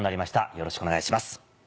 よろしくお願いします。